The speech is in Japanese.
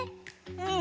うん。